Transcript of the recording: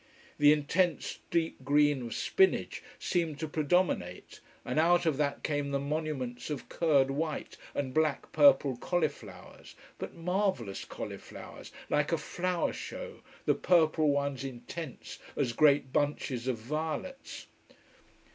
The intense deep green of spinach seemed to predominate, and out of that came the monuments of curd white and black purple cauliflowers: but marvellous cauliflowers, like a flower show, the purple ones intense as great bunches of violets.